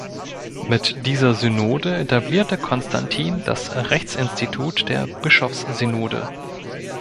Mit dieser Synode etablierte Konstantin das Rechtsinstitut der Bischofssynode.